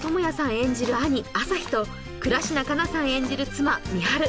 演じる兄・旭と倉科カナさん演じる妻・美晴